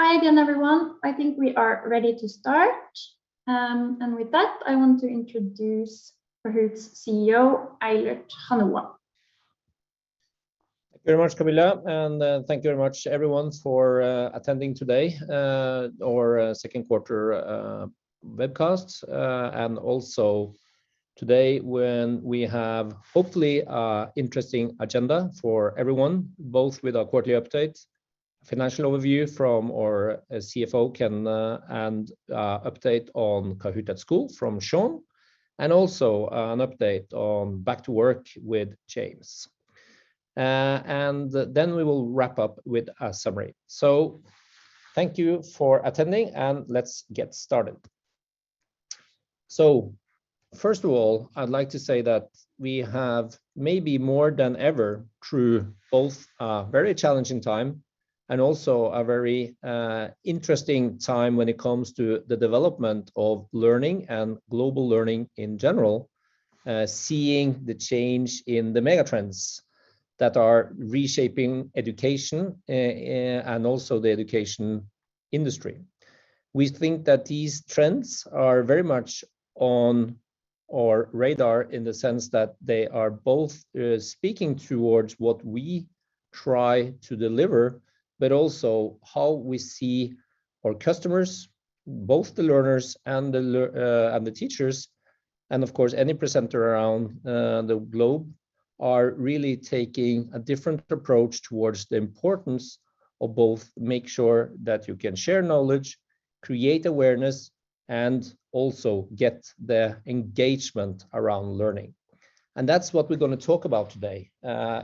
Hi again, everyone. I think we are ready to start. With that, I want to introduce Kahoot!'s CEO, Eilert Hanoa. Thank you very much, Camilla, and thank you very much everyone for attending today our second quarter webcast. Also today, when we have hopefully an interesting agenda for everyone, both with our quarterly update, financial overview from our CFO, Ken, and update on Kahoot! at School from Sean, and also an update on back to work with James. Then we will wrap up with a summary. Thank you for attending, and let's get started. First of all, I'd like to say that we have maybe more than ever, through both a very challenging time and also a very interesting time when it comes to the development of learning and global learning in general, seeing the change in the mega trends that are reshaping education and also the education industry. We think that these trends are very much on our radar in the sense that they are both speaking towards what we try to deliver, but also how we see our customers, both the learners and the teachers, and of course any presenter around the globe, are really taking a different approach towards the importance of both make sure that you can share knowledge, create awareness, and also get the engagement around learning. That's what we're going to talk about today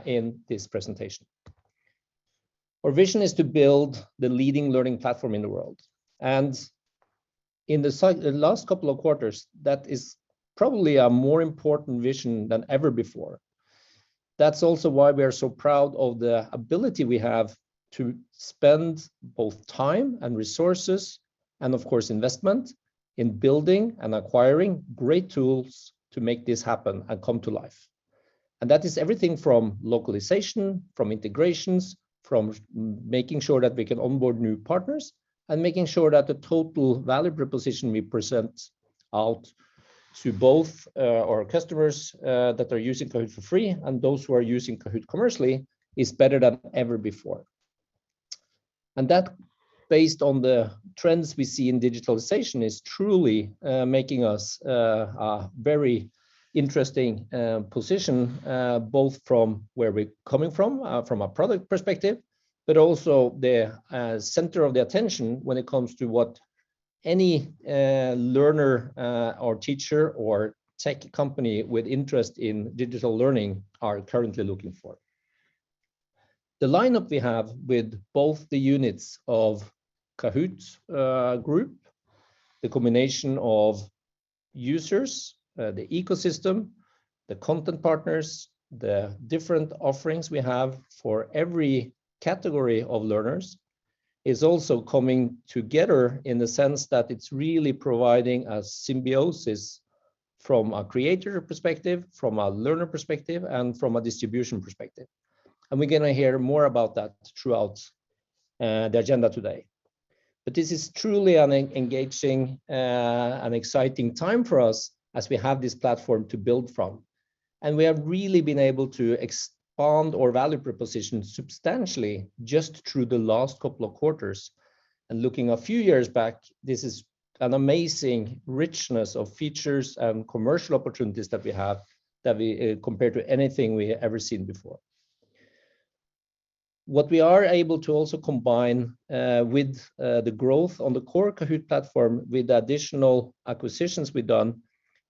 in this presentation. Our vision is to build the leading learning platform in the world, and in the last couple of quarters, that is probably a more important vision than ever before. That's also why we are so proud of the ability we have to spend both time and resources, and of course, investment, in building and acquiring great tools to make this happen and come to life. That is everything from localization, from integrations, from making sure that we can onboard new partners, and making sure that the total value proposition we present out to both our customers that are using Kahoot! for free and those who are using Kahoot! commercially is better than ever before. That, based on the trends we see in digitalization, is truly making us a very interesting position, both from where we're coming from a product perspective, but also the center of the attention when it comes to what any learner or teacher or tech company with interest in digital learning are currently looking for. The lineup we have with both the units of Kahoot! Group, the combination of users, the ecosystem, the content partners, the different offerings we have for every category of learners, is also coming together in the sense that it's really providing a symbiosis from a creator perspective, from a learner perspective, and from a distribution perspective. We're going to hear more about that throughout the agenda today. This is truly an engaging and exciting time for us as we have this platform to build from, and we have really been able to expand our value proposition substantially just through the last couple of quarters. Looking a few years back, this is an amazing richness of features and commercial opportunities that we have compared to anything we had ever seen before. What we are able to also combine with the growth on the core Kahoot! platform with the additional acquisitions we've done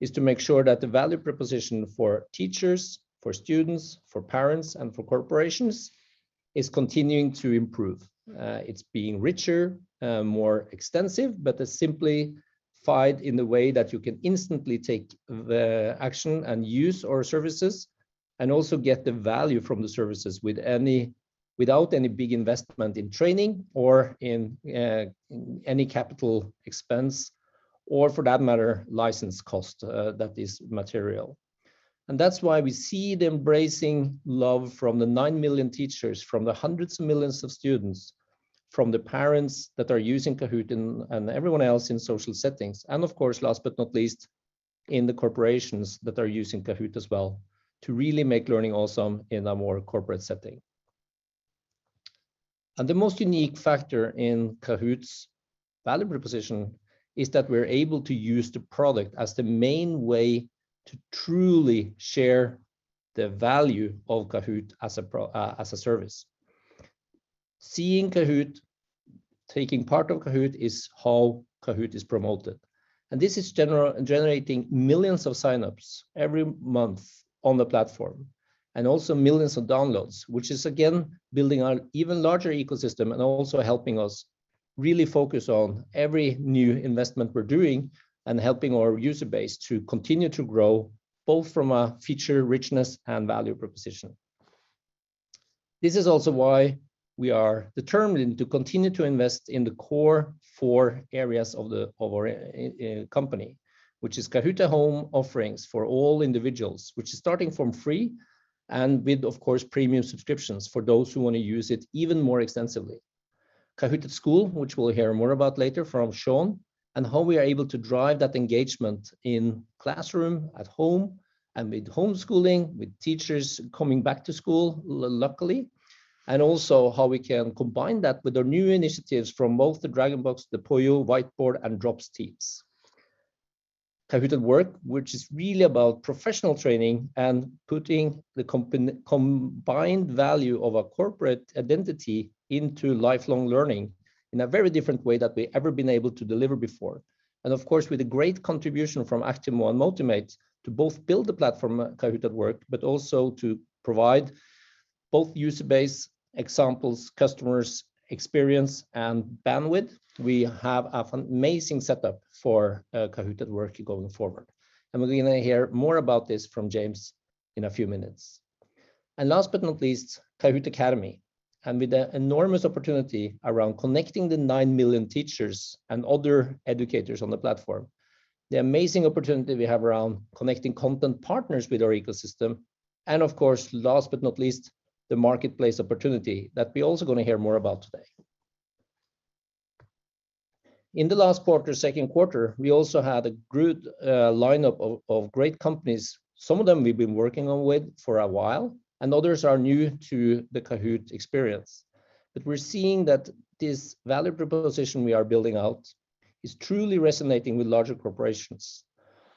is to make sure that the value proposition for teachers, for students, for parents, and for corporations is continuing to improve. It's being richer, more extensive, but simplified in the way that you can instantly take the action and use our services and also get the value from the services without any big investment in training or in any capital expense or, for that matter, license cost that is material. That's why we see the embracing love from the 9 million teachers, from the hundreds of millions of students, from the parents that are using Kahoot! and everyone else in social settings, and of course, last but not least, in the corporations that are using Kahoot! as well to really make learning awesome in a more corporate setting. The most unique factor in Kahoot!'s value proposition is that we're able to use the product as the main way to truly share the value of Kahoot! as a Service. Seeing Kahoot!, taking part of Kahoot! is how Kahoot! is promoted. This is generating millions of sign-ups every month on the platform and also millions of downloads, which is again, building an even larger ecosystem and also helping us really focus on every new investment we're doing and helping our user base to continue to grow, both from a feature richness and value proposition. This is also why we are determined to continue to invest in the core four areas of our company, which is Kahoot! at Home offerings for all individuals, which is starting from free, and with, of course, premium subscriptions for those who want to use it even more extensively. Kahoot! at School, which we'll hear more about later from Sean, and how we are able to drive that engagement in classroom, at home, and with homeschooling, with teachers coming back to school, luckily. Also how we can combine that with our new initiatives from both the DragonBox, the Poio, Whiteboard.fi, and Drops teams. Kahoot! at Work, which is really about professional training and putting the combined value of a corporate identity into lifelong learning in a very different way that we ever been able to deliver before. Of course, with a great contribution from Actimo and Motimate to both build the platformKahoot! at Work, but also to provide both user base examples, customers experience, and bandwidth. We have an amazing setup forKahoot! at Work going forward, and we're going to hear more about this from James in a few minutes. Last but not least, Kahoot! Academy, and with the enormous opportunity around connecting the 9 million teachers and other educators on the platform, the amazing opportunity we have around connecting content partners with our ecosystem, and of course, last but not least, the marketplace opportunity that we're also going to hear more about today. In the last quarter, or second quarter, we also had a good lineup of great companies. Some of them we've been working on with for a while, and others are new to the Kahoot! experience. We're seeing that this value proposition we are building out is truly resonating with larger corporations.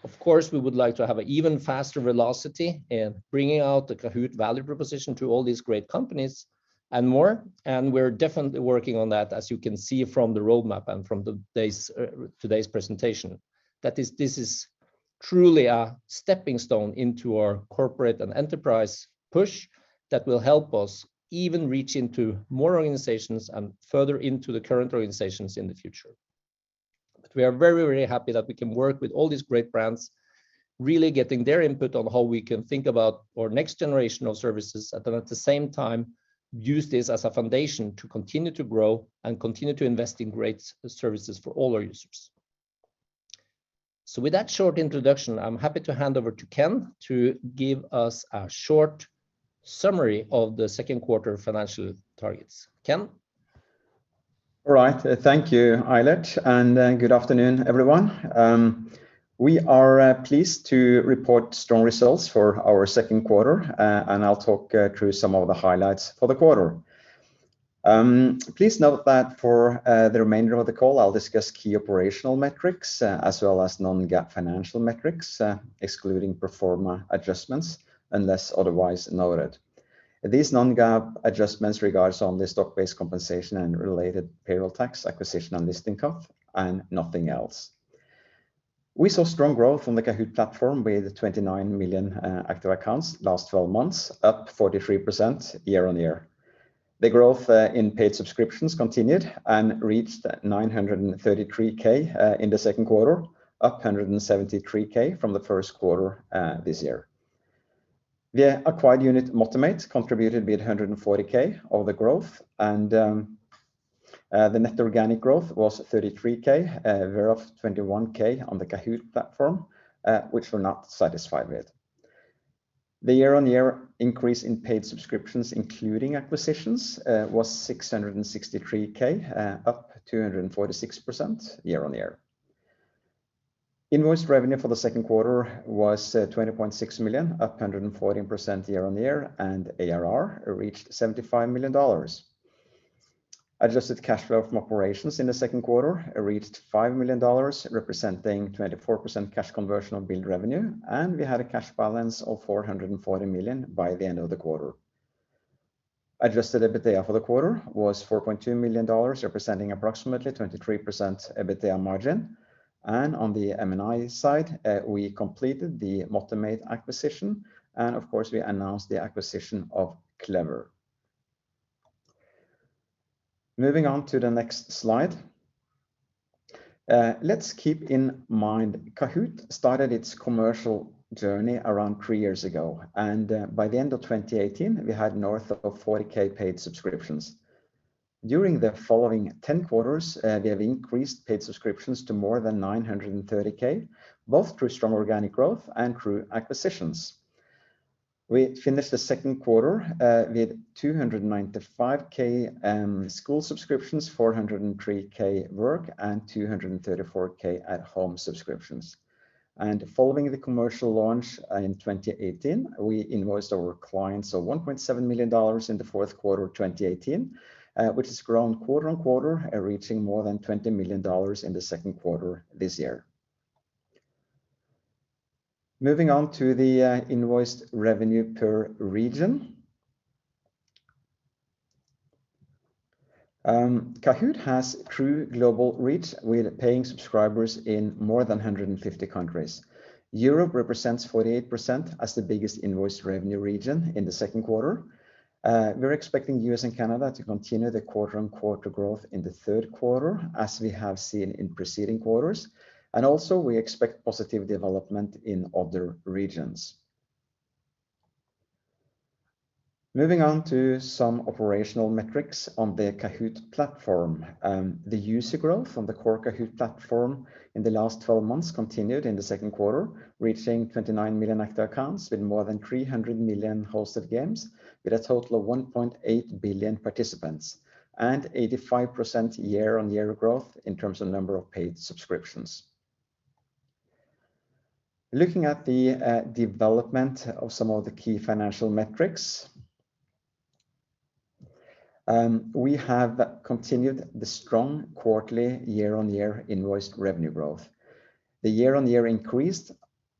Of course, we would like to have an even faster velocity in bringing out the Kahoot! value proposition to all these great companies and more, and we're definitely working on that, as you can see from the roadmap and from today's presentation. This is truly a stepping stone into our corporate and enterprise push that will help us even reach into more organizations and further into the current organizations in the future. We are very happy that we can work with all these great brands, really getting their input on how we can think about our next generation of services. At the same time, use this as a foundation to continue to grow and continue to invest in great services for all our users. With that short introduction, I'm happy to hand over to Ken to give us a short summary of the second quarter financial targets. Ken? All right. Thank you, Eilert. Good afternoon, everyone. We are pleased to report strong results for our second quarter. I'll talk through some of the highlights for the quarter. Please note that for the remainder of the call, I'll discuss key operational metrics as well as non-GAAP financial metrics, excluding pro forma adjustments, unless otherwise noted. These non-GAAP adjustments regards only stock-based compensation and related payroll tax, acquisition and listing cost, and nothing else. We saw strong growth from the Kahoot! platform with 29 million active accounts last 12 months, up 43% year-on-year. The growth in paid subscriptions continued and reached 933K in the second quarter, up 173K from the first quarter this year. The acquired unit, Motimate, contributed with 140K of the growth. The net organic growth was 33K, thereof 21K on the Kahoot! platform, which we're not satisfied with. The year-on-year increase in paid subscriptions, including acquisitions, was 663,000, up 246% year-on-year. Invoiced revenue for the second quarter was 20.6 million, up 114% year-on-year, and ARR reached $75 million. Adjusted cash flow from operations in the second quarter reached $5 million, representing 24% cash conversion of billed revenue, and we had a cash balance of 440 million by the end of the quarter. Adjusted EBITDA for the quarter was $4.2 million, representing approximately 23% EBITDA margin. On the M&A side, we completed the Motimate acquisition, and of course, we announced the acquisition of Clever. Moving on to the next slide. Let's keep in mind, Kahoot! started its commercial journey around three years ago, and by the end of 2018, we had north of 40,000 paid subscriptions. During the following 10 quarters, we have increased paid subscriptions to more than 930,000, both through strong organic growth and through acquisitions. We finished the second quarter with 295,000 School subscriptions, 403,000 Work, and 234,000 at Home subscriptions. Following the commercial launch in 2018, we invoiced our clients of $1.7 million in the fourth quarter of 2018, which has grown quarter-on-quarter, reaching more than $20 million in the second quarter this year. Moving on to the invoiced revenue per region. Kahoot! has true global reach with paying subscribers in more than 150 countries. Europe represents 48% as the biggest invoiced revenue region in the second quarter. We're expecting U.S. and Canada to continue the quarter-on-quarter growth in the third quarter, as we have seen in preceding quarters. Also, we expect positive development in other regions. Moving on to some operational metrics on the Kahoot! platform. The user growth on the core Kahoot! platform in the last 12 months continued in the second quarter, reaching 29 million active accounts with more than 300 million hosted games, with a total of 1.8 billion participants and 85% year-on-year growth in terms of number of paid subscriptions. Looking at the development of some of the key financial metrics, we have continued the strong quarterly year-on-year invoiced revenue growth. The year-on-year increase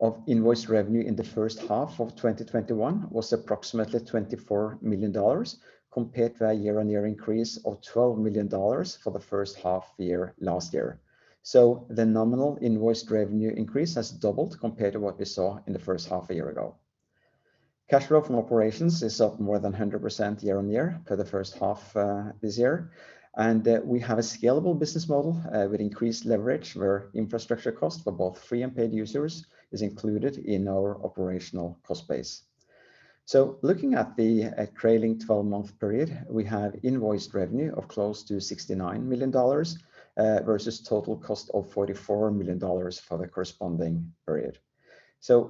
of invoiced revenue in the first half of 2021 was approximately $24 million, compared to a year-on-year increase of $12 million for the first half year last year. The nominal invoiced revenue increase has doubled compared to what we saw in the first half a year ago. Cash flow from operations is up more than 100% year-on-year for the first half this year. We have a scalable business model with increased leverage where infrastructure cost for both free and paid users is included in our operational cost base. Looking at the trailing 12-month period, we have invoiced revenue of close to $69 million, versus total cost of $44 million for the corresponding period.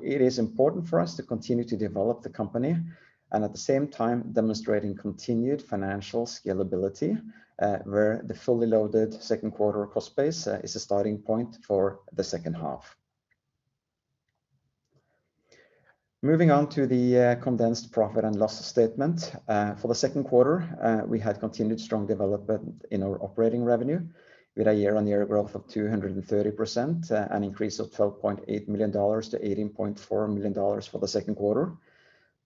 It is important for us to continue to develop the company, and at the same time demonstrating continued financial scalability, where the fully loaded second quarter cost base is a starting point for the second half. Moving on to the condensed profit and loss statement. For the second quarter, we had continued strong development in our operating revenue with a year-on-year growth of 230%, an increase of $12.8 million-$18.4 million for the second quarter.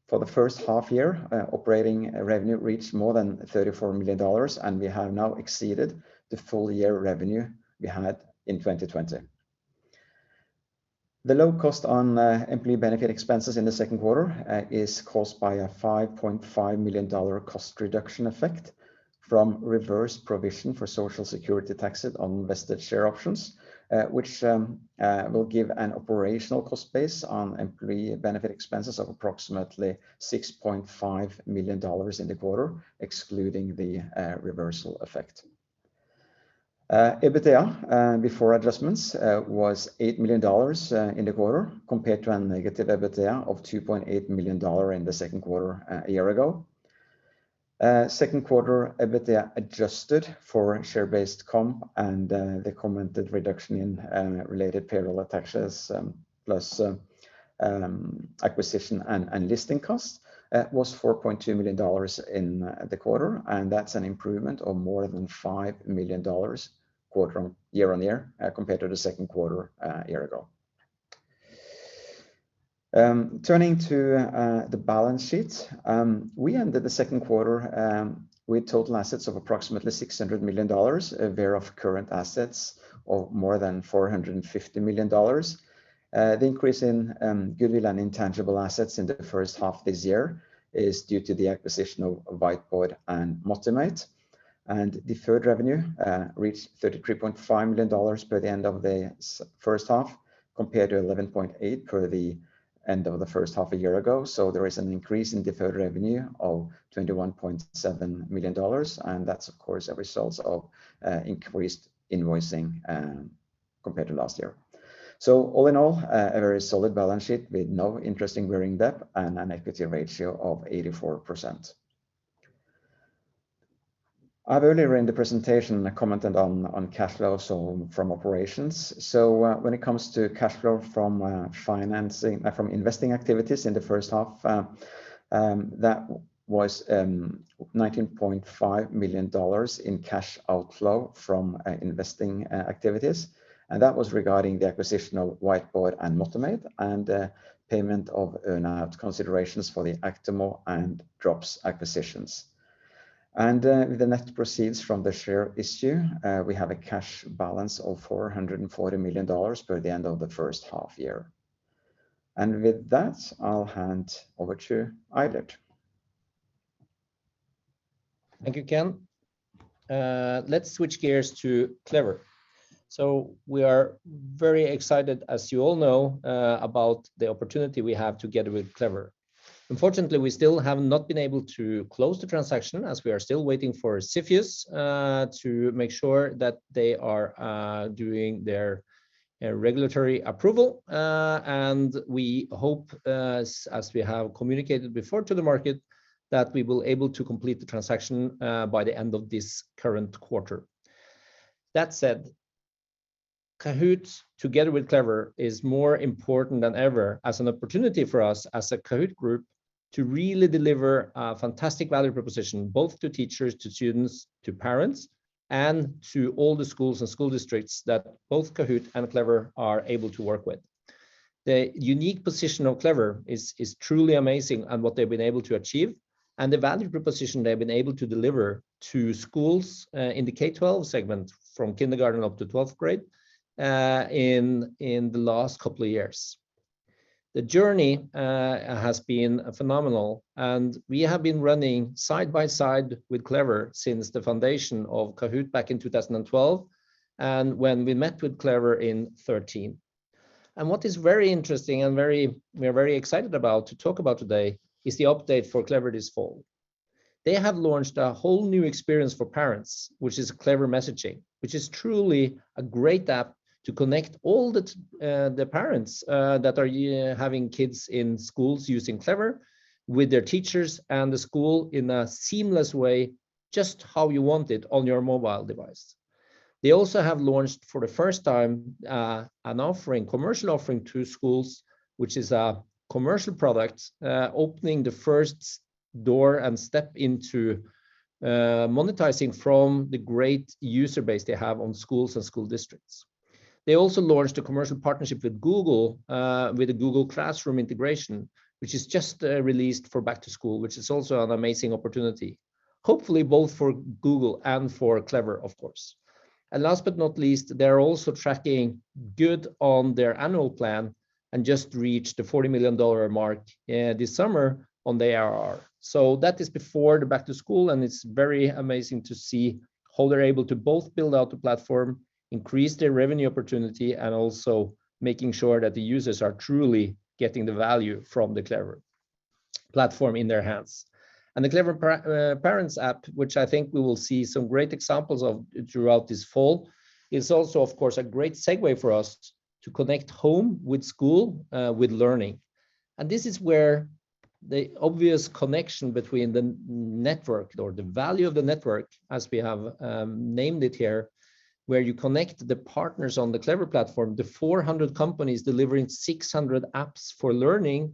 For the first half year, operating revenue reached more than $34 million, and we have now exceeded the full year revenue we had in 2020. The low cost on employee benefit expenses in the second quarter is caused by a $5.5 million cost reduction effect from reverse provision for Social Security taxes on vested share options, which will give an operational cost base on employee benefit expenses of approximately $6.5 million in the quarter, excluding the reversal effect. EBITDA before adjustments was $8 million in the quarter, compared to a negative EBITDA of $2.8 million in the second quarter a year ago. Second quarter EBITDA adjusted for share-based comp and the commented reduction in related payroll taxes, plus acquisition and listing cost, was $4.2 million in the quarter, and that's an improvement of more than $5 million year-on-year compared to the second quarter a year ago. Turning to the balance sheet. We ended the second quarter with total assets of approximately $600 million, thereof current assets of more than $450 million. The increase in goodwill and intangible assets in the first half this year is due to the acquisition of Whiteboard.fi and Motimate, deferred revenue reached $33.5 million by the end of the first half, compared to $11.8 for the end of the first half a year ago. There is an increase in deferred revenue of $21.7 million, that's, of course, a result of increased invoicing compared to last year. All in all, a very solid balance sheet with no interest-bearing debt and an equity ratio of 84%. I've already, in the presentation, commented on cash flow, so from operations. When it comes to cash flow from investing activities in the first half, that was $19.5 million in cash outflow from investing activities, and that was regarding the acquisition of Whiteboard and Motimate and payment of earn-out considerations for the Actimo and Drops acquisitions. With the net proceeds from the share issue, we have a cash balance of $440 million by the end of the first half year. With that, I will hand over to Eilert. Thank you, Ken. Let's switch gears to Clever. We are very excited, as you all know, about the opportunity we have together with Clever. Unfortunately, we still have not been able to close the transaction, as we are still waiting for CFIUS to make sure that they are doing their regulatory approval. We hope, as we have communicated before to the market, that we will able to complete the transaction by the end of this current quarter. That said, Kahoot!, together with Clever, is more important than ever as an opportunity for us as a Kahoot! Group to really deliver a fantastic value proposition, both to teachers, to students, to parents, and to all the schools and school districts that both Kahoot! and Clever are able to work with. The unique position of Clever is truly amazing and what they've been able to achieve and the value proposition they've been able to deliver to schools in the K12 segment, from kindergarten up to 12th grade, in the last couple of years. The journey has been phenomenal, and we have been running side by side with Clever since the foundation of Kahoot! back in 2012, and when we met with Clever in 2013. What is very interesting and we are very excited to talk about today is the update for Clever this fall. They have launched a whole new experience for parents, which is Clever Messaging, which is truly a great app to connect all the parents that are having kids in schools using Clever with their teachers and the school in a seamless way, just how you want it on your mobile device. They also have launched, for the first time, a commercial offering to schools, which is a commercial product, opening the first door and step into monetizing from the great user base they have on schools and school districts. They also launched a commercial partnership with Google, with a Google Classroom integration, which is just released for back to school, which is also an amazing opportunity, hopefully both for Google and for Clever, of course. Last but not least, they're also tracking good on their annual plan and just reached the $40 million mark this summer on the ARR. That is before the back to school, and it's very amazing to see how they're able to both build out the platform, increase their revenue opportunity, and also making sure that the users are truly getting the value from the Clever platform in their hands. The Clever Parents app, which I think we will see some great examples of throughout this fall, is also, of course, a great segue for us to connect home with school, with learning. This is where the obvious connection between the network or the value of the network, as we have named it here, where you connect the partners on the Clever platform, the 400 companies delivering 600 apps for learning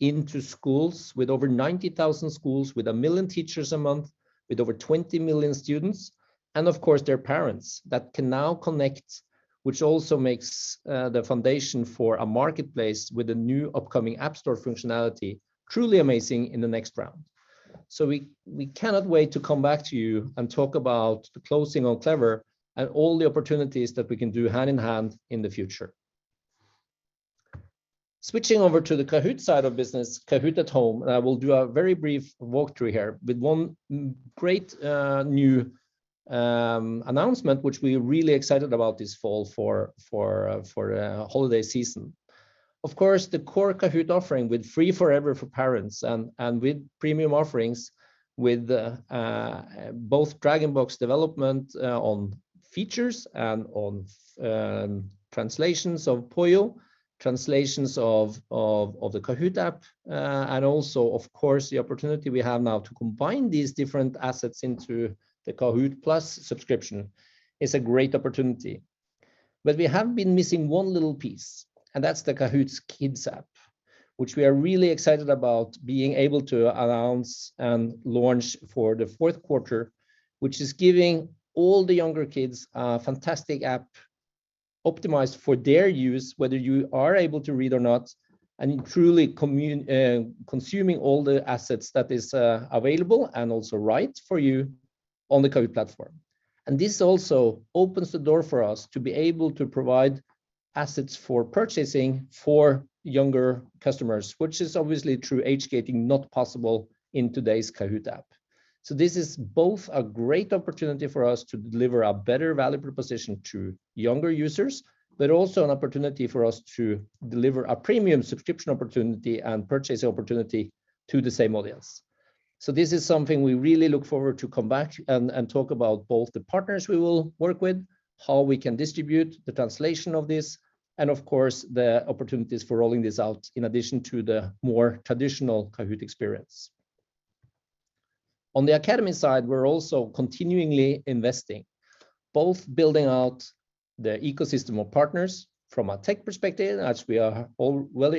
into schools, with over 90,000 schools, with 1 million teachers a month, with over 20 million students, and of course, their parents that can now connect, which also makes the foundation for a marketplace with a new upcoming app store functionality truly amazing in the next round. We cannot wait to come back to you and talk about the closing on Clever and all the opportunities that we can do hand-in-hand in the future. Switching over to the Kahoot! side of the business, Kahoot! at Home, and I will do a very brief walkthrough here with one great new announcement which we're really excited about this fall for holiday season. Of course, the core Kahoot! offering with free forever for parents and with premium offerings with both DragonBox development on features and on translations of Poio, translations of the Kahoot! app, and also, of course, the opportunity we have now to combine these different assets into the Kahoot!+ subscription is a great opportunity. We have been missing one little piece, and that's the Kahoot! Kids app, which we are really excited about being able to announce and launch for the fourth quarter, which is giving all the younger kids a fantastic app optimized for their use, whether you are able to read or not, and truly consuming all the assets that is available and also right for you on the Kahoot! platform. This also opens the door for us to be able to provide assets for purchasing for younger customers, which is obviously through age gating, not possible in today's Kahoot! app. This is both a great opportunity for us to deliver a better value proposition to younger users, but also an opportunity for us to deliver a premium subscription opportunity and purchase opportunity to the same audience. This is something we really look forward to come back and talk about both the partners we will work with, how we can distribute the translation of this, and of course, the opportunities for rolling this out in addition to the more traditional Kahoot! experience. On the Academy side, we're also continuingly investing, both building out the ecosystem of partners from a tech perspective, as we are all well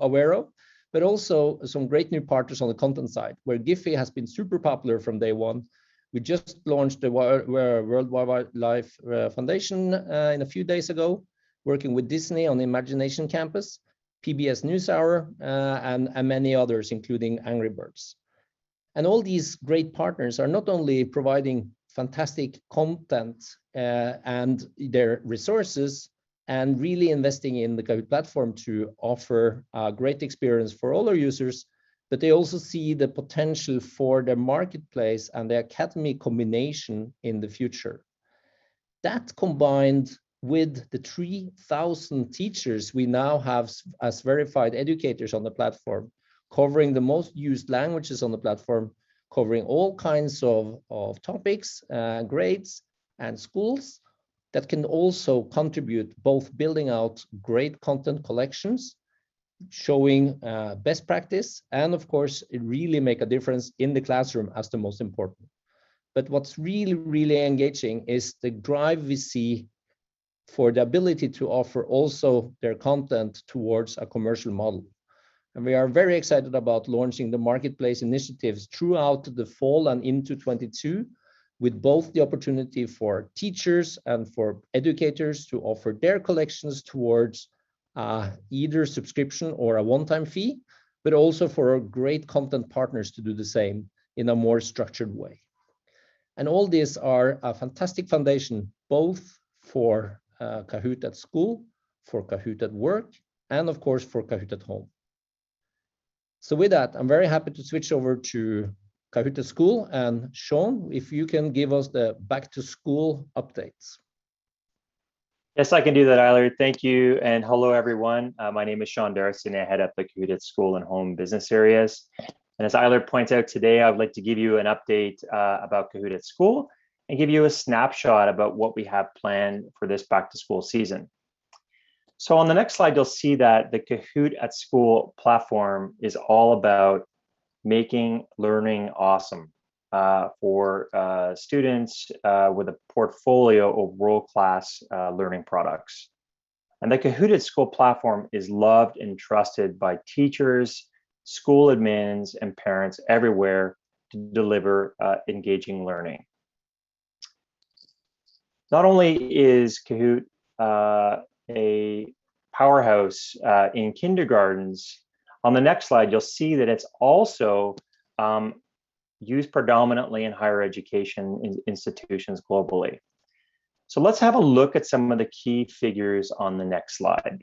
aware of, but also some great new partners on the content side, where GIPHY has been super popular from day one. We just launched the World Wildlife Fund a few days ago, working with Disney on the Imagination Campus, PBS NewsHour, and many others, including Angry Birds. All these great partners are not only providing fantastic content and their resources and really investing in the Kahoot! platform to offer a great experience for all our users, but they also see the potential for their Marketplace and their Academy combination in the future. That, combined with the 3,000 teachers we now have as verified educators on the platform, covering the most used languages on the platform, covering all kinds of topics, grades, and schools that can also contribute both building out great content collections, showing best practice, and of course, really make a difference in the classroom as the most important. What's really engaging is the drive we see for the ability to offer also their content towards a commercial model. We are very excited about launching the marketplace initiatives throughout the fall and into 2022, with both the opportunity for teachers and for educators to offer their collections towards either subscription or a one-time fee, but also for our great content partners to do the same in a more structured way. All these are a fantastic foundation, both for Kahoot! at School, forKahoot! at Work, and of course, for Kahoot! at Home. With that, I'm very happy to switch over to Kahoot! at School, and Sean, if you can give us the back-to-school updates. Yes, I can do that, Eilert. Thank you. Hello, everyone. My name is Sean D'Arcy. I head up the Kahoot! at School and Home business areas. As Eilert pointed out, today, I'd like to give you an update about Kahoot! at School and give you a snapshot about what we have planned for this back-to-school season. On the next slide, you'll see that the Kahoot! at School platform is all about making learning awesome for students with a portfolio of world-class learning products. The Kahoot! at School platform is loved and trusted by teachers, school admins, and parents everywhere to deliver engaging learning. Not only is Kahoot! a powerhouse in kindergartens, on the next slide, you'll see that it's also used predominantly in higher education institutions globally. Let's have a look at some of the key figures on the next slide.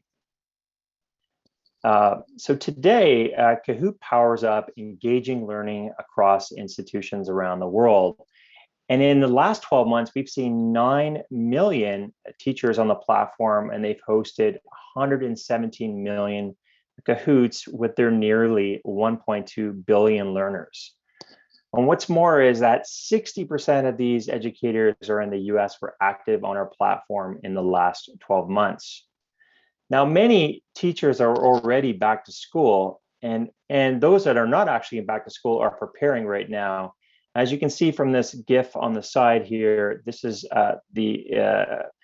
Today, Kahoot! powers up engaging learning across institutions around the world, and in the last 12 months, we've seen 9 million teachers on the platform, and they've hosted 117 million Kahoot!s with their nearly 1.2 billion learners. What's more is that 60% of these educators who are in the U.S. were active on our platform in the last 12 months. Many teachers are already back to school, and those that are not actually back to school are preparing right now. As you can see from this GIF on the side here, this is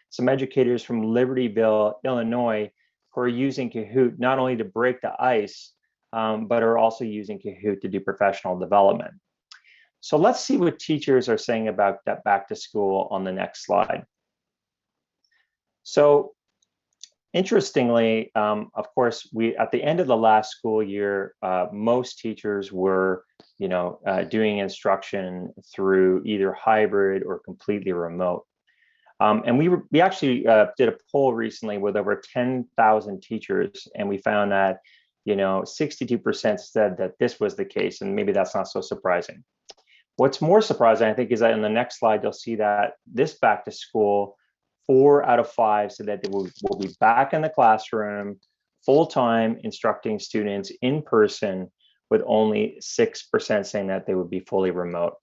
some educators from Libertyville, Illinois, who are using Kahoot! not only to break the ice, but are also using Kahoot! to do professional development. Let's see what teachers are saying about that back to school on the next slide. Interestingly, of course, at the end of the last school year, most teachers were doing instruction through either hybrid or completely remote. We actually did a poll recently with over 10,000 teachers, we found that 62% said that this was the case, and maybe that's not so surprising. What's more surprising, I think, is that on the next slide, you'll see that this back to school, 4 out of 5 said that they will be back in the classroom full-time instructing students in person, with only 6% saying that they would be fully remote.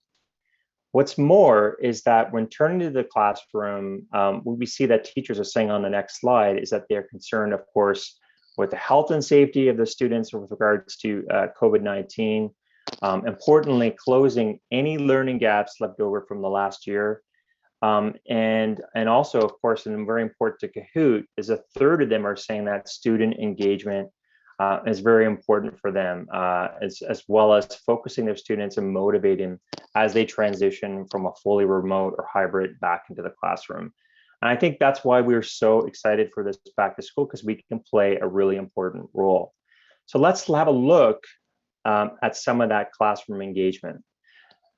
What's more is that when turning to the classroom, what we see that teachers are saying on the next slide is that they're concerned, of course, with the health and safety of the students with regards to COVID-19, importantly, closing any learning gaps left over from the last year. Also, of course, and very important to Kahoot!, is a third of them are saying that student engagement is very important for them, as well as focusing their students and motivating as they transition from a fully remote or hybrid back into the classroom. I think that's why we're so excited for this back to school, because we can play a really important role. Let's have a look at some of that classroom engagement.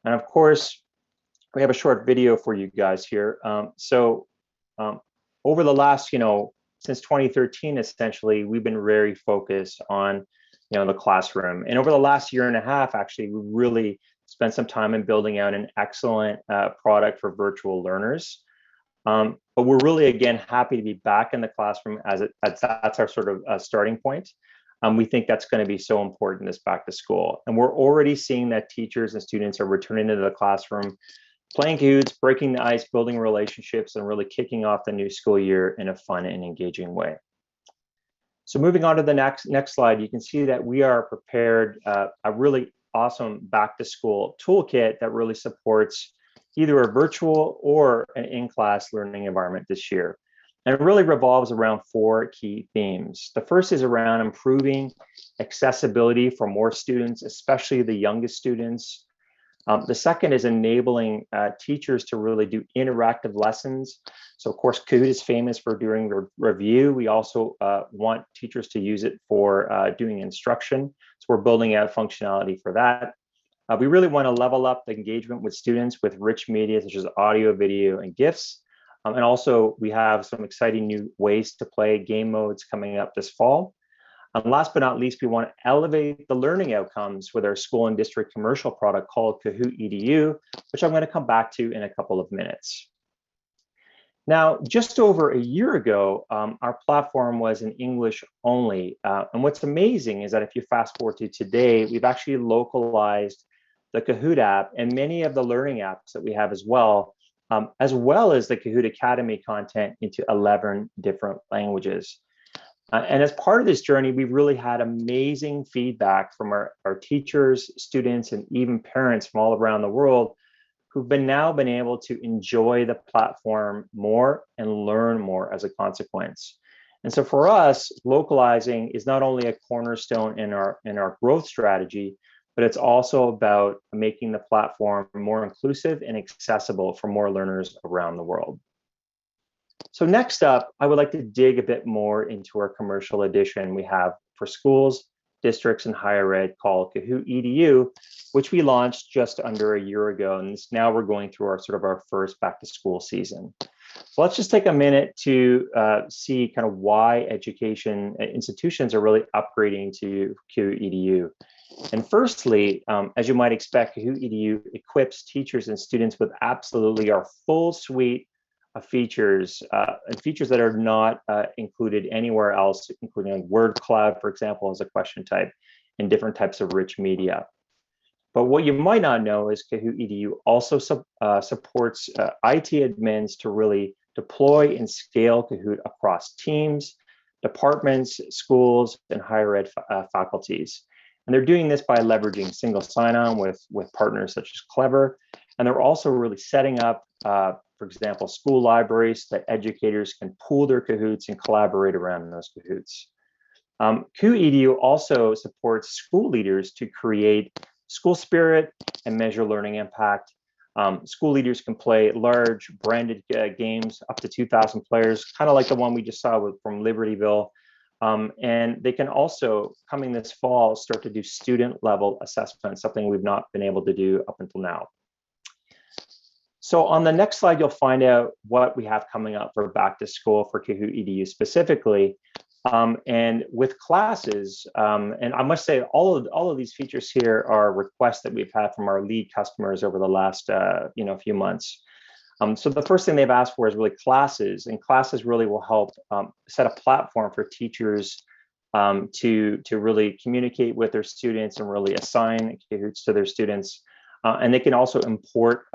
Of course, we have a short video for you guys here. Since 2013, essentially, we've been very focused on the classroom. Over the last year and a half, actually, we really spent some time in building out an excellent product for virtual learners. We're really, again, happy to be back in the classroom as that's our sort of starting point. We think that's going to be so important this back to school. We're already seeing that teachers and students are returning to the classroom, playing Kahoots, breaking the ice, building relationships, and really kicking off the new school year in a fun and engaging way. Moving on to the next slide, you can see that we are prepared. A really awesome back-to-school toolkit that really supports either a virtual or an in-class learning environment this year. It really revolves around four key themes. The first is around improving accessibility for more students, especially the youngest students. The second is enabling teachers to really do interactive lessons. Of course, Kahoot! is famous for doing review. We also want teachers to use it for doing instruction, so we're building out functionality for that. We really want to level up the engagement with students with rich media such as audio, video, and GIFs. Also, we have some exciting new ways to play game modes coming up this fall. Last but not least, we want to elevate the learning outcomes with our school and district commercial product called Kahoot! EDU, which I'm going to come back to in a couple of minutes. Now, just over a year ago, our platform was in English only. What's amazing is that if you fast-forward to today, we've actually localized the Kahoot! app and many of the learning apps that we have as well, as well as the Kahoot! Academy content, into 11 different languages. As part of this journey, we've really had amazing feedback from our teachers, students, and even parents from all around the world who've now been able to enjoy the platform more and learn more as a consequence. For us, localizing is not only a cornerstone in our growth strategy, but it's also about making the platform more inclusive and accessible for more learners around the world. Next up, I would like to dig a bit more into our commercial edition we have for schools, districts, and higher ed called Kahoot! EDU, which we launched just under a year ago, and now we're going through our first back-to-school season. Let's just take a minute to see why education institutions are really upgrading to Kahoot! EDU. Firstly, as you might expect, Kahoot! EDU equips teachers and students with absolutely our full suite of features, and features that are not included anywhere else, including a word cloud, for example, as a question type, and different types of rich media. What you might not know is Kahoot! EDU also supports IT admins to really deploy and scale Kahoot! across teams, departments, schools, and higher ed faculties. They're doing this by leveraging single sign-on with partners such as Clever. They're also really setting up, for example, school libraries that educators can pool their Kahoots and collaborate around in those Kahoots. Kahoot! EDU also supports school leaders to create school spirit and measure learning impact. School leaders can play large branded games, up to 2,000 players, kind of like the one we just saw from Libertyville. They can also, coming this fall, start to do student-level assessments, something we've not been able to do up until now. On the next slide, you'll find out what we have coming up for back to school for Kahoot! EDU specifically, and with classes, and I must say, all of these features here are requests that we've had from our lead customers over the last few months. The first thing they've asked for is really classes, and classes really will help set a platform for teachers to really communicate with their students and really assign Kahoots to their students. They can also import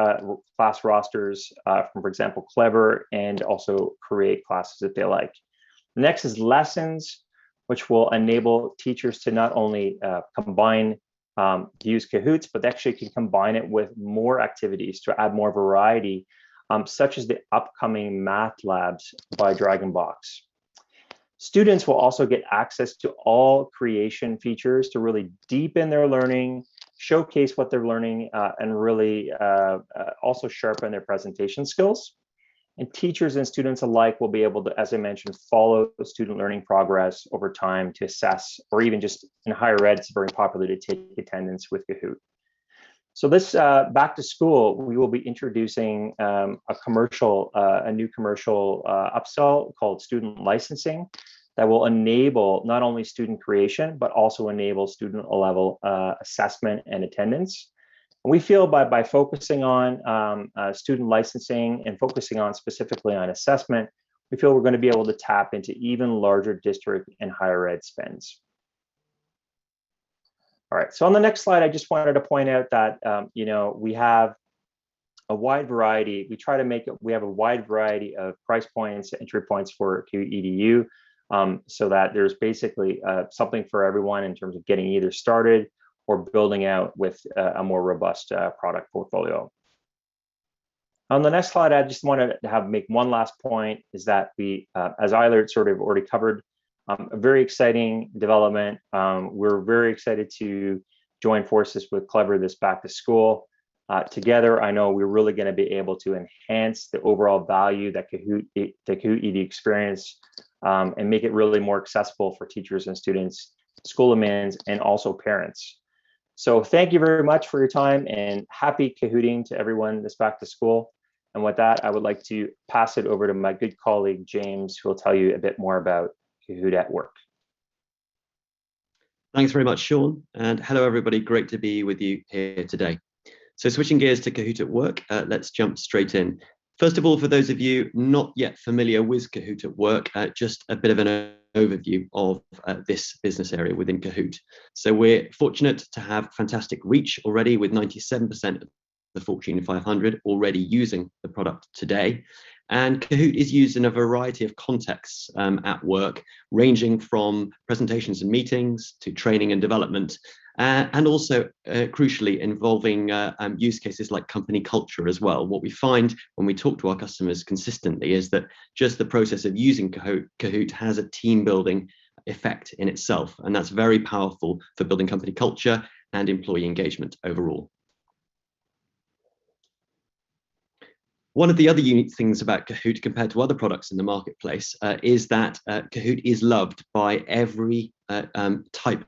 class rosters from, for example, Clever, and also create classes if they like. Next is lessons, which will enable teachers to not only combine to use Kahoots, but actually can combine it with more activities to add more variety, such as the upcoming math labs by DragonBox. Students will also get access to all creation features to really deepen their learning, showcase what they're learning, and really also sharpen their presentation skills. Teachers and students alike will be able to, as I mentioned, follow the student learning progress over time to assess, or even just in higher ed it's very popular to take attendance with Kahoot! This back to school, we will be introducing a new commercial upsell called student licensing that will enable not only student creation, but also enable student-level assessment and attendance. We feel by focusing on student licensing and focusing specifically on assessment, we feel we're going to be able to tap into even larger district and higher ed spends. All right. On the next slide, I just wanted to point out that we have a wide variety of price points and entry points for Kahoot! EDU, so that there's basically something for everyone in terms of getting either started or building out with a more robust product portfolio. On the next slide, I just wanted to make one last point, is that we, as Eilert Hanoa has sort of already covered, a very exciting development. We're very excited to join forces with Clever this back to school. Together, I know we're really going to be able to enhance the overall value, the Kahoot! EDU experience, and make it really more accessible for teachers and students, school admins, and also parents. Thank you very much for your time, and happy Kahooting to everyone this back to school. With that, I would like to pass it over to my good colleague, James, who will tell you a bit more aboutKahoot! at Work. Thanks very much, Sean, and hello, everybody. Great to be with you here today. Switching gears toKahoot! at Work, let's jump straight in. First of all, for those of you not yet familiar withKahoot! at Work, just a bit of an overview of this business area within Kahoot! We're fortunate to have fantastic reach already with 97% of the Fortune 500 already using the product today. Kahoot! is used in a variety of contexts at work, ranging from presentations and meetings to training and development, and also, crucially, involving use cases like company culture as well. What we find when we talk to our customers consistently is that just the process of using Kahoot! has a team-building effect in itself, and that's very powerful for building company culture and employee engagement overall. One of the other unique things about Kahoot! Compared to other products in the marketplace, is that Kahoot! is loved by every type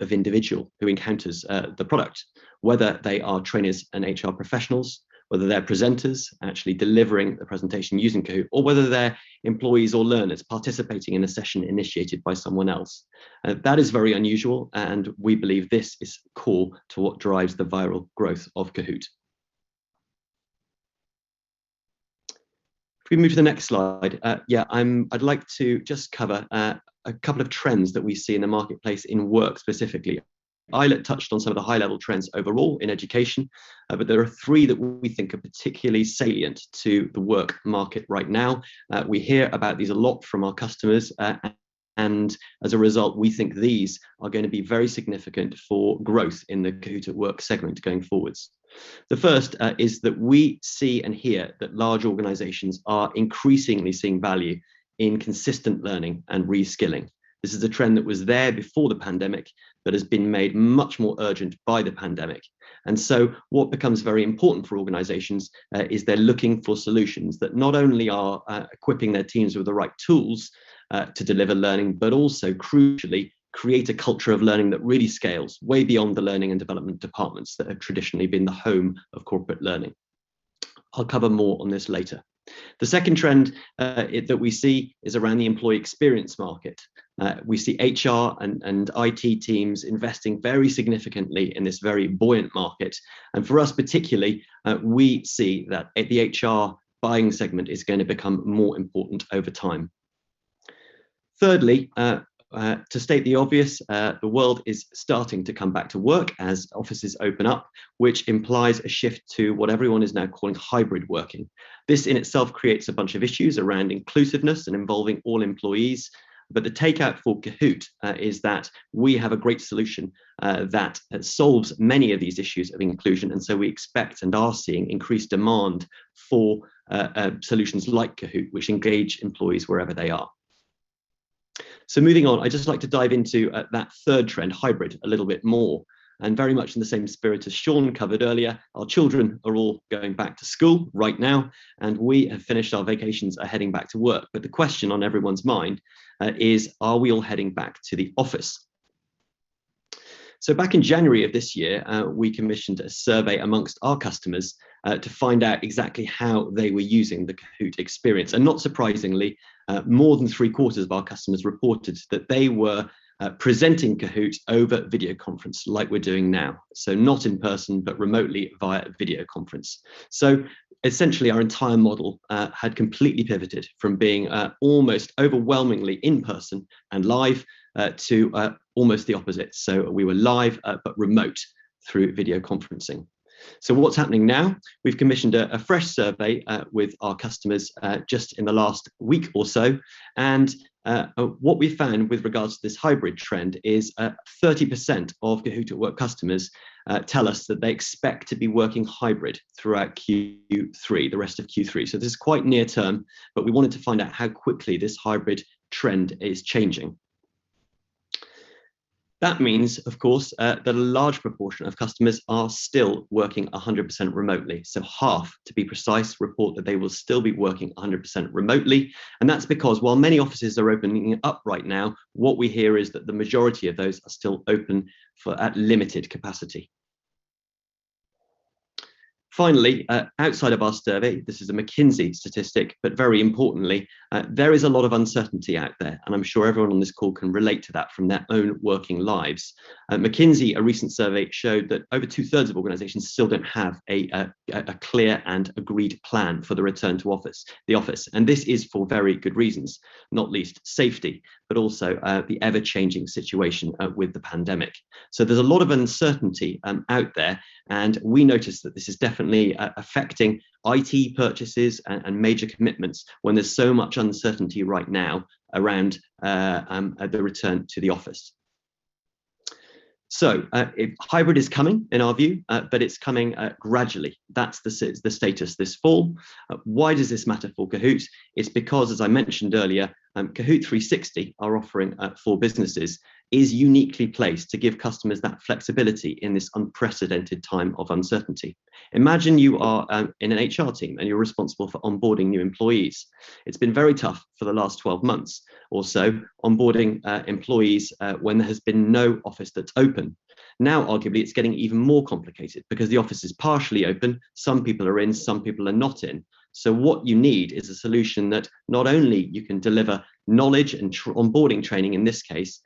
of individual who encounters the product, whether they are trainers and HR professionals, whether they're presenters actually delivering the presentation using Kahoot!, or whether they're employees or learners participating in a session initiated by someone else. That is very unusual, and we believe this is core to what drives the viral growth of Kahoot! If we move to the next slide. Yeah, I'd like to just cover a couple of trends that we see in the marketplace in work specifically. Eilert touched on some of the high-level trends overall in education, but there are three that we think are particularly salient to the work market right now. We hear about these a lot from our customers. As a result, we think these are going to be very significant for growth in theKahoot! at Work segment going forwards. The first is that we see and hear that large organizations are increasingly seeing value in consistent learning and reskilling. This is a trend that was there before the pandemic, has been made much more urgent by the pandemic. What becomes very important for organizations is they're looking for solutions that not only are equipping their teams with the right tools to deliver learning, but also, crucially, create a culture of learning that really scales way beyond the learning and development departments that have traditionally been the home of corporate learning. I'll cover more on this later. The second trend that we see is around the employee experience market. We see HR and IT teams investing very significantly in this very buoyant market. For us particularly, we see that the HR buying segment is going to become more important over time. Thirdly, to state the obvious, the world is starting to come back to work as offices open up, which implies a shift to what everyone is now calling hybrid working. This in itself creates a bunch of issues around inclusiveness and involving all employees, but the takeout for Kahoot! is that we have a great solution that solves many of these issues of inclusion, and so we expect and are seeing increased demand for solutions like Kahoot!, which engage employees wherever they are. Moving on, I'd just like to dive into that third trend, hybrid, a little bit more. Very much in the same spirit as Sean covered earlier, our children are all going back to school right now, and we have finished our vacations and are heading back to work. The question on everyone's mind is, are we all heading back to the office? Back in January of this year, we commissioned a survey amongst our customers to find out exactly how they were using the Kahoot! experience. Not surprisingly, more than three-quarters of our customers reported that they were presenting Kahoot! over video conference, like we're doing now. Not in person, but remotely via video conference. Essentially, our entire model had completely pivoted from being almost overwhelmingly in-person and live to almost the opposite. We were live, but remote through video conferencing. What's happening now? We've commissioned a fresh survey with our customers just in the last week or so, and what we found with regards to this hybrid trend is 30% ofKahoot! at Work customers tell us that they expect to be working hybrid throughout the rest of Q3. This is quite near-term, but we wanted to find out how quickly this hybrid trend is changing. That means, of course, that a large proportion of customers are still working 100% remotely. Half, to be precise, report that they will still be working 100% remotely. That's because while many offices are opening up right now, what we hear is that the majority of those are still open at limited capacity. Finally, outside of our survey, this is a McKinsey statistic, but very importantly, there is a lot of uncertainty out there. I'm sure everyone on this call can relate to that from their own working lives. McKinsey, a recent survey showed that over two-thirds of organizations still don't have a clear and agreed plan for the return to the office. This is for very good reasons, not least safety, but also the ever-changing situation with the pandemic. There's a lot of uncertainty out there, and we notice that this is definitely affecting IT purchases and major commitments when there's so much uncertainty right now around the return to the office. Hybrid is coming in our view, but it's coming gradually. That's the status this fall. Why does this matter for Kahoot!? It's because, as I mentioned earlier, Kahoot! 360, our offering for businesses, is uniquely placed to give customers that flexibility in this unprecedented time of uncertainty. Imagine you are in an HR team and you're responsible for onboarding new employees. It's been very tough for the last 12 months or so, onboarding employees when there has been no office that's open. Now arguably, it's getting even more complicated because the office is partially open. Some people are in, some people are not in. What you need is a solution that not only you can deliver knowledge and onboarding training, in this case,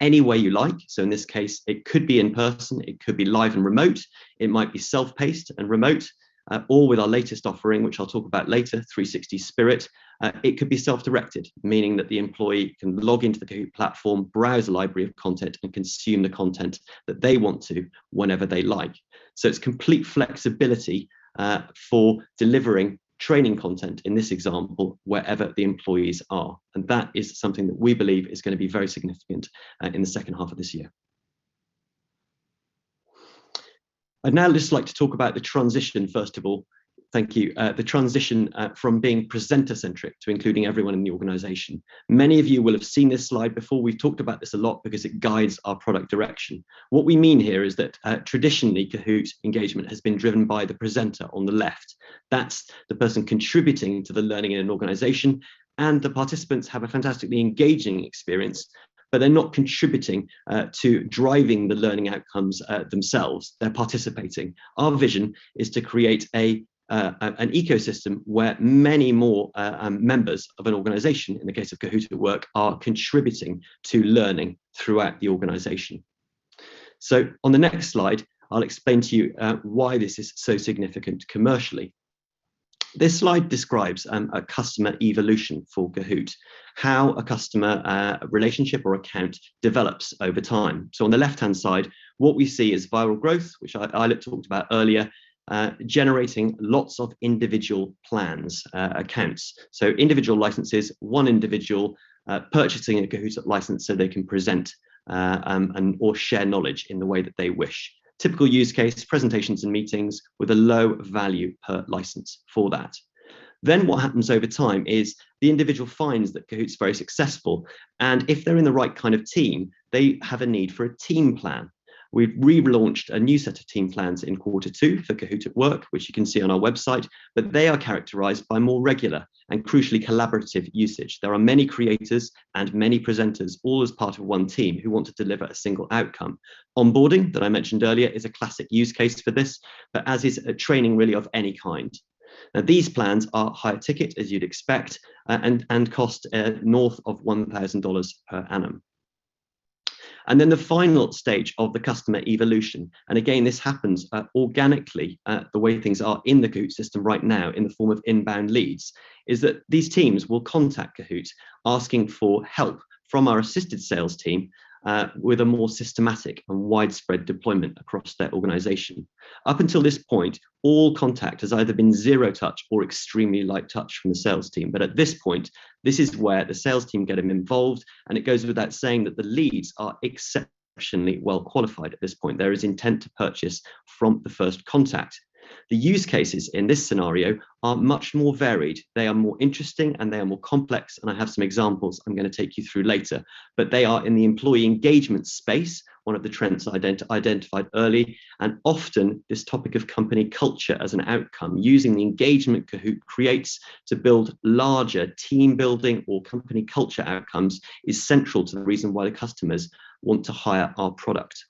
any way you like. In this case, it could be in person, it could be live and remote, it might be self-paced and remote, or with our latest offering, which I'll talk about later, 360 Spirit, it could be self-directed, meaning that the employee can log into the Kahoot! platform, browse a library of content, and consume the content that they want to whenever they like. It's complete flexibility for delivering training content in this example, wherever the employees are. That is something that we believe is going to be very significant in the second half of this year. I'd now just like to talk about the transition, first of all. Thank you. The transition from being presenter-centric to including everyone in the organization. Many of you will have seen this slide before. We've talked about this a lot because it guides our product direction. What we mean here is that traditionally, Kahoot! engagement has been driven by the presenter on the left. That's the person contributing to the learning in an organization, and the participants have a fantastically engaging experience, but they're not contributing to driving the learning outcomes themselves. They're participating. Our vision is to create an ecosystem where many more members of an organization, in the case ofKahoot! at Work, are contributing to learning throughout the organization. On the next slide, I'll explain to you why this is so significant commercially. This slide describes a customer evolution for Kahoot!, how a customer relationship or account develops over time. On the left-hand side, what we see is viral growth, which Eilert talked about earlier, generating lots of individual plans, accounts. Individual licenses, one individual purchasing a Kahoot! license so they can present or share knowledge in the way that they wish. Typical use case, presentations and meetings with a low value per license for that. What happens over time is the individual finds that Kahoot!'s very successful, and if they're in the right kind of team, they have a need for a team plan. We've relaunched a new set of team plans in quarter two forKahoot! at Work, which you can see on our website, but they are characterized by more regular and crucially collaborative usage. There are many creators and many presenters, all as part of one team, who want to deliver a single outcome. Onboarding, that I mentioned earlier, is a classic use case for this, but as is training really of any kind. Now, these plans are higher ticket, as you'd expect, and cost north of $1,000 per annum. Then the final stage of the customer evolution, and again, this happens organically the way things are in the Kahoot! system right now in the form of inbound leads, is that these teams will contact Kahoot! asking for help from our assisted sales team with a more systematic and widespread deployment across their organization. Up until this point, all contact has either been zero touch or extremely light touch from the sales team. At this point, this is where the sales team get involved, and it goes without saying that the leads are exceptionally well qualified at this point. There is intent to purchase from the first contact. The use cases in this scenario are much more varied. They are more interesting and they are more complex. I have some examples I'm going to take you through later. They are in the employee engagement space, one of the trends identified early, and often this topic of company culture as an outcome using the engagement Kahoot! creates to build larger team building or company culture outcomes is central to the reason why the customers want to hire our product.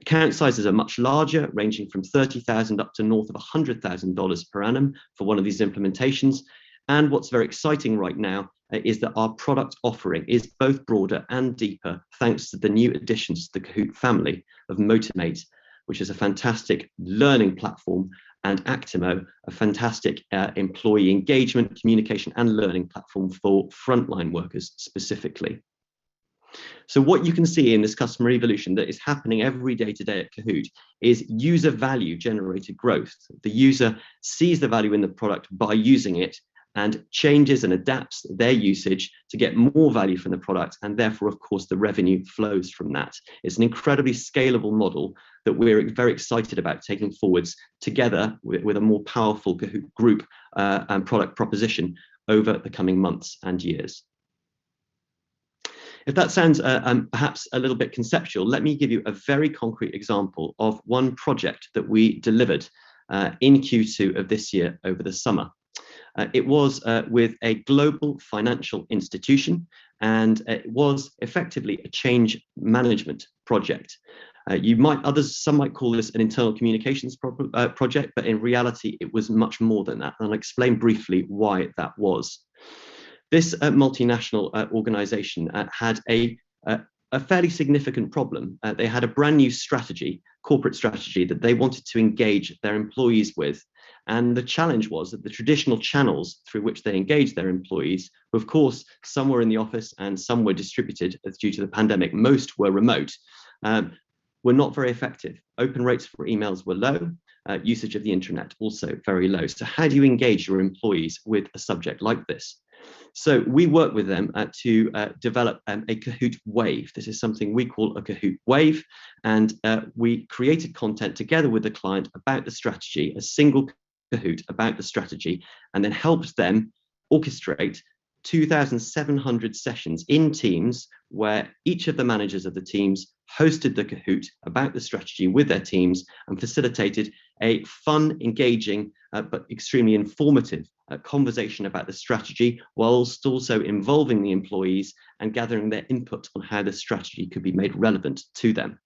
Account sizes are much larger, ranging from $30,000 up to north of $100,000 per annum for one of these implementations. What's very exciting right now is that our product offering is both broader and deeper thanks to the new additions to the Kahoot! family of Motimate, which is a fantastic learning platform, and Actimo, a fantastic employee engagement, communication, and learning platform for frontline workers specifically. What you can see in this customer evolution that is happening every day to day at Kahoot! is user value-generated growth. The user sees the value in the product by using it and changes and adapts their usage to get more value from the product, and therefore of course the revenue flows from that. It's an incredibly scalable model that we're very excited about taking forwards together with a more powerful Kahoot! Group and product proposition over the coming months and years. If that sounds perhaps a little bit conceptual, let me give you a very concrete example of one project that we delivered in Q2 of this year over the summer. It was with a global financial institution, and it was effectively a change management project. Some might call this an internal communications project, but in reality it was much more than that, and I'll explain briefly why that was. This multinational organization had a fairly significant problem. They had a brand-new strategy, corporate strategy, that they wanted to engage their employees with. The challenge was that the traditional channels through which they engaged their employees, of course some were in the office and some were distributed, as due to the pandemic most were remote, were not very effective. Open rates for emails were low, usage of the internet also very low. How do you engage your employees with a subject like this? We worked with them to develop a Kahoot! Wave. This is something we call a Kahoot! Wave. We created content together with the client about the strategy, a single Kahoot! about the strategy, and then helped them orchestrate 2,700 sessions in teams where each of the managers of the teams hosted the Kahoot! about the strategy with their teams and facilitated a fun, engaging, but extremely informative conversation about the strategy whilst also involving the employees and gathering their input on how the strategy could be made relevant to them.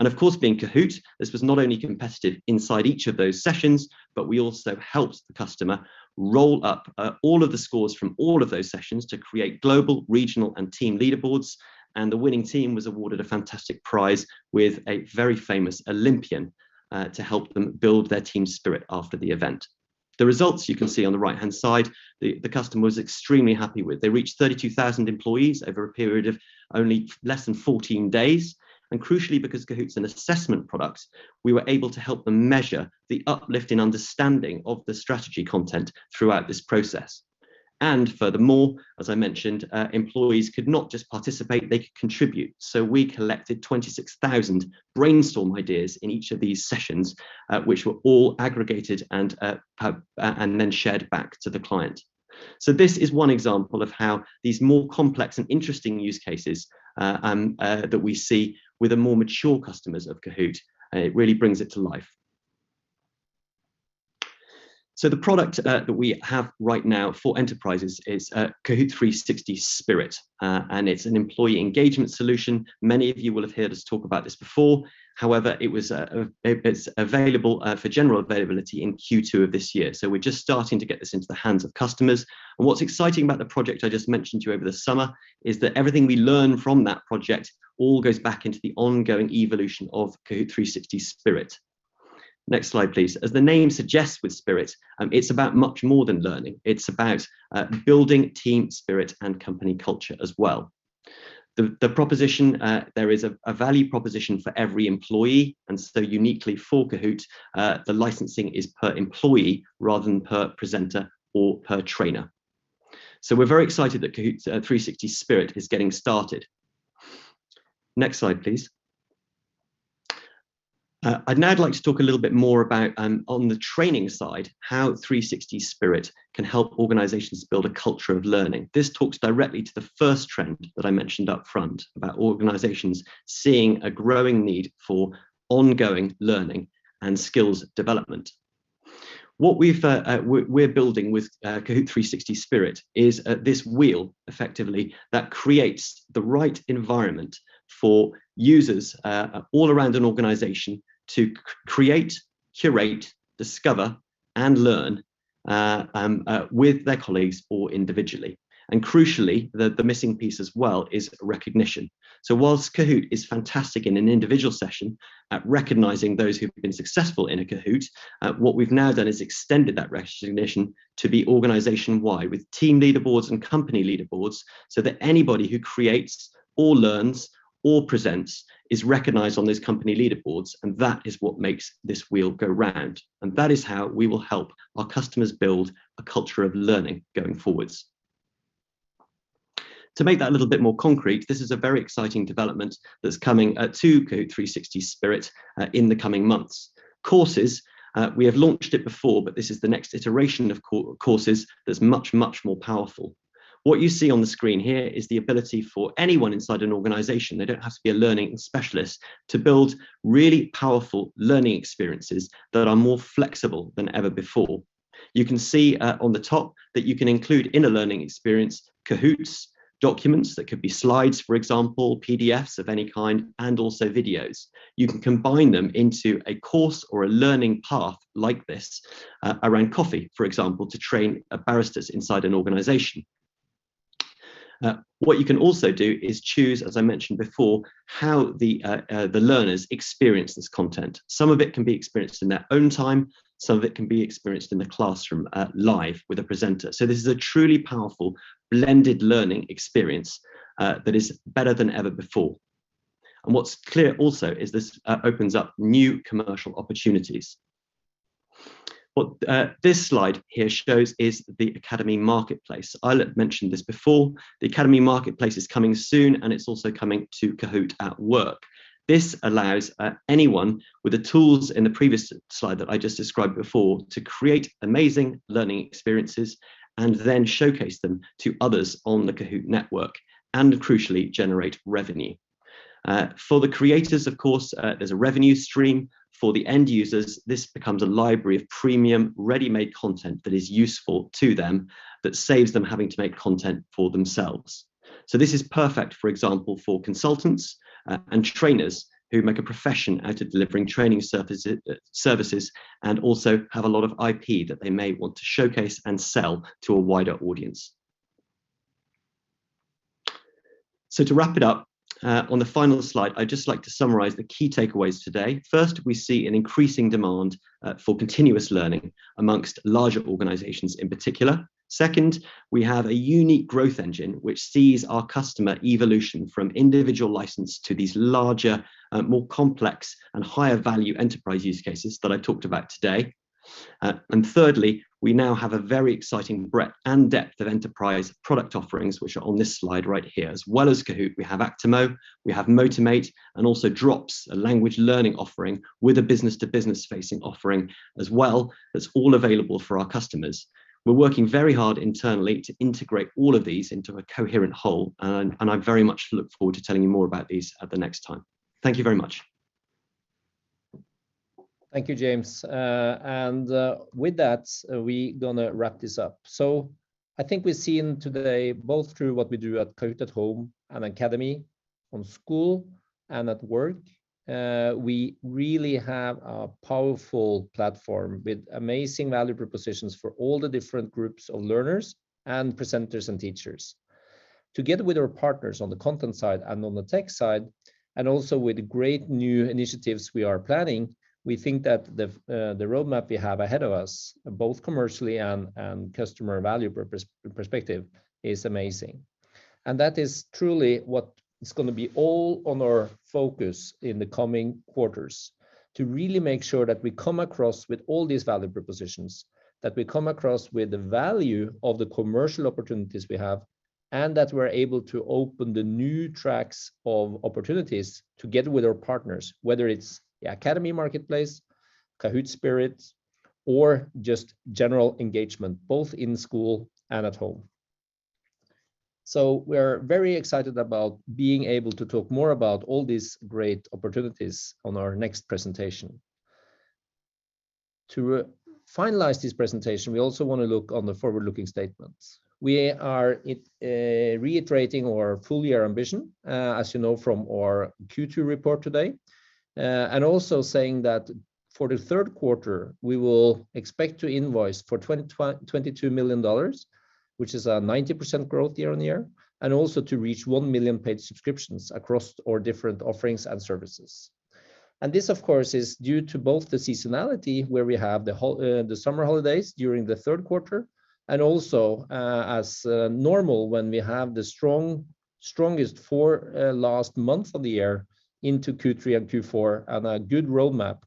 Of course being Kahoot! This was not only competitive inside each of those sessions, we also helped the customer roll up all of the scores from all of those sessions to create global, regional, and team leaderboards, and the winning team was awarded a fantastic prize with a very famous Olympian to help them build their team spirit after the event. The results you can see on the right-hand side, the customer was extremely happy with. They reached 32,000 employees over a period of only less than 14 days. Crucially because Kahoot!'s an assessment product, we were able to help them measure the uplift in understanding of the strategy content throughout this process. Furthermore, as I mentioned, employees could not just participate, they could contribute. We collected 26,000 brainstorm ideas in each of these sessions, which were all aggregated and then shared back to the client. This is one example of how these more complex and interesting use cases that we see with the more mature customers of Kahoot!, and it really brings it to life. The product that we have right now for enterprises is Kahoot! 360 Spirit, and it's an employee engagement solution. Many of you will have heard us talk about this before. However, it's available for general availability in Q2 of this year. We're just starting to get this into the hands of customers. What's exciting about the project I just mentioned to you over the summer is that everything we learn from that project all goes back into the ongoing evolution of Kahoot! 360 Spirit. Next slide please. As the name suggests with Spirit, it's about much more than learning. It's about building team spirit and company culture as well. The proposition, there is a value proposition for every employee. Uniquely for Kahoot! the licensing is per employee rather than per presenter or per trainer. We're very excited that Kahoot! 360 Spirit is getting started. Next slide please. I'd now like to talk a little bit more about on the training side how 360 Spirit can help organizations build a culture of learning. This talks directly to the first trend that I mentioned upfront about organizations seeing a growing need for ongoing learning and skills development. What we're building with Kahoot! 360 Spirit is this wheel effectively that creates the right environment for users all around an organization to create, curate, discover, and learn with their colleagues or individually. Crucially, the missing piece as well is recognition. Whilst Kahoot! Is fantastic in an individual session at recognizing those who've been successful in a Kahoot!, what we've now done is extended that recognition to be organization-wide with team leaderboards and company leaderboards, so that anybody who creates or learns or presents is recognized on those company leaderboards, and that is what makes this wheel go round. That is how we will help our customers build a culture of learning going forwards. To make that a little bit more concrete, this is a very exciting development that's coming to Kahoot! 360 Spirit in the coming months. Courses, we have launched it before, but this is the next iteration, of courses, that's much more powerful. What you see on the screen here is the ability for anyone inside an organization, they don't have to be a learning specialist, to build really powerful learning experiences that are more flexible than ever before. You can see on the top that you can include in a learning experience Kahoots, documents that could be slides, for example, PDFs of any kind, and also videos. You can combine them into a course or a learning path like this around coffee, for example, to train baristas inside an organization. What you can also do is choose, as I mentioned before, how the learners experience this content. Some of it can be experienced in their own time, some of it can be experienced in the classroom live with a presenter. This is a truly powerful blended learning experience that is better than ever before. What's clear also is this opens up new commercial opportunities. What this slide here shows is the Kahoot! Academy Marketplace. Eilert mentioned this before. The Kahoot! Academy Marketplace is coming soon, and it's also coming toKahoot! at Work. This allows anyone with the tools in the previous slide that I just described before to create amazing learning experiences and then showcase them to others on the Kahoot! network and crucially generate revenue. For the creators, of course, there's a revenue stream. For the end users, this becomes a library of premium ready-made content that is useful to them that saves them having to make content for themselves. This is perfect, for example, for consultants and trainers who make a profession out of delivering training services, and also have a lot of IP that they may want to showcase and sell to a wider audience. To wrap it up, on the final slide, I'd just like to summarize the key takeaways today. First, we see an increasing demand for continuous learning amongst larger organizations in particular. Second, we have a unique growth engine which sees our customer evolution from individual license to these larger, more complex, and higher-value enterprise use cases that I talked about today. Thirdly, we now have a very exciting breadth and depth of enterprise product offerings, which are on this slide right here. As well as Kahoot!, we have Actimo, we have Motimate, and also Drops, a language learning offering with a business-to-business facing offering as well that's all available for our customers. We're working very hard internally to integrate all of these into a coherent whole, and I very much look forward to telling you more about these at the next time. Thank you very much. Thank you, James. With that, we're going to wrap this up. I think we've seen today both through what we do at Kahoot! at Home and Kahoot! Academy, Kahoot! at School andKahoot! at Work, we really have a powerful platform with amazing value propositions for all the different groups of learners and presenters and teachers. Together with our partners on the content side and on the tech side, and also with great new initiatives we are planning, we think that the roadmap we have ahead of us, both commercially and customer value perspective, is amazing. That is truly what is going to be all on our focus in the coming quarters, to really make sure that we come across with all these value propositions, that we come across with the value of the commercial opportunities we have, and that we're able to open the new tracks of opportunities together with our partners, whether it's Academy Marketplace, Kahoot! Spirit, or just general engagement, both in school and at home. We're very excited about being able to talk more about all these great opportunities on our next presentation. To finalize this presentation, we also want to look on the forward-looking statements. We are reiterating our full-year ambition, as you know from our Q2 report today, and also saying that for the third quarter, we will expect to invoice for $22 million, which is a 90% growth year-on-year, and also to reach 1 million paid subscriptions across our different offerings and services. This, of course, is due to both the seasonality, where we have the summer holidays during the third quarter, and also, as normal, when we have the strongest four last months of the year into Q3 and Q4 and a good roadmap,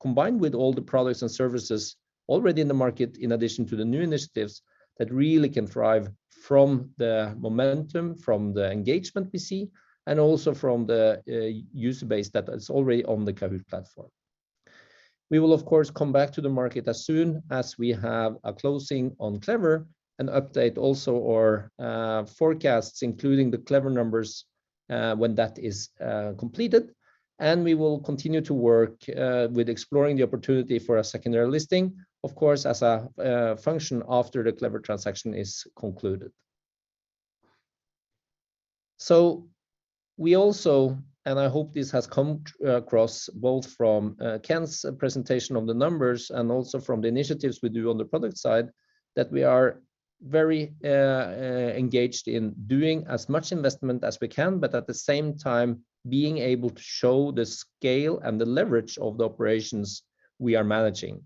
combined with all the products and services already in the market, in addition to the new initiatives that really can thrive from the momentum, from the engagement we see, and also from the user base that is already on the Kahoot! platform. We will of course, come back to the market as soon as we have a closing on Clever, and update also our forecasts, including the Clever numbers, when that is completed, and we will continue to work with exploring the opportunity for a secondary listing, of course, as a function after the Clever transaction is concluded. We also, and I hope this has come across both from Ken's presentation on the numbers and also from the initiatives we do on the product side, that we are very engaged in doing as much investment as we can, but at the same time, being able to show the scale and the leverage of the operations we are managing.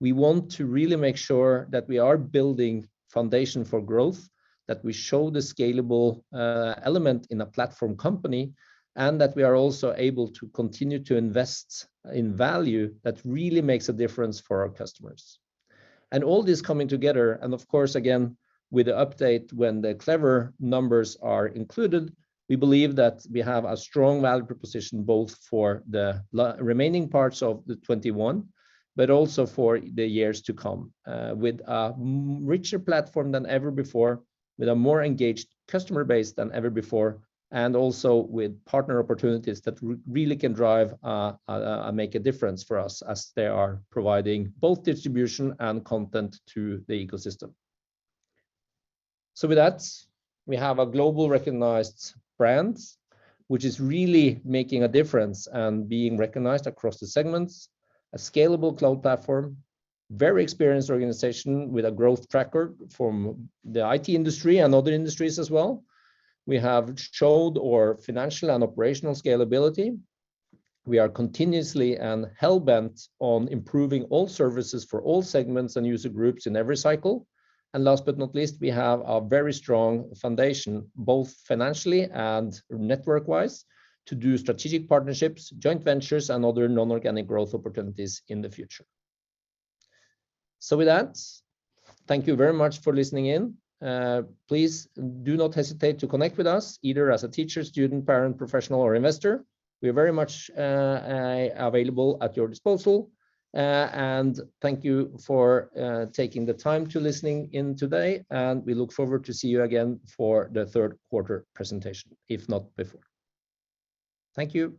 We want to really make sure that we are building foundation for growth, that we show the scalable element in a platform company, and that we are also able to continue to invest in value that really makes a difference for our customers. All this coming together, and of course, again, with the update when the Clever numbers are included, we believe that we have a strong value proposition both for the remaining parts of 2021, but also for the years to come, with a richer platform than ever before, with a more engaged customer base than ever before, and also with partner opportunities that really can drive and make a difference for us as they are providing both distribution and content to the ecosystem. With that, we have a global recognized brand, which is really making a difference and being recognized across the segments, a scalable cloud platform, very experienced organization with a growth tracker from the IT industry and other industries as well. We have showed our financial and operational scalability. We are continuously and hellbent on improving all services for all segments and user groups in every cycle. Last but not least, we have a very strong foundation, both financially and network-wise, to do strategic partnerships, joint ventures, and other non-organic growth opportunities in the future. With that, thank you very much for listening in. Please do not hesitate to connect with us either as a teacher, student, parent, professional, or investor. We are very much available at your disposal. Thank you for taking the time to listening in today. We look forward to see you again for the third quarter presentation, if not before. Thank you.